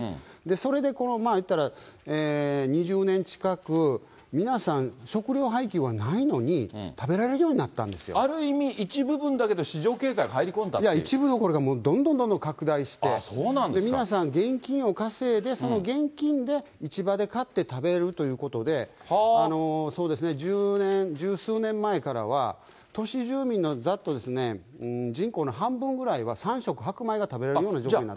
それでこのまあ、いったら、２０年近く、皆さん、食糧配給ないのに、食べられるようになったある意味、一部分だけど、市いや、一部どころか、もうどんどんどんどん拡大して、皆さん現金を稼いで、その現金で市場で買って食べるということで、そうですね、１０年、十数年前からは、都市住民のざっと人口の半分ぐらいは、３食白米が食べられる状況になった。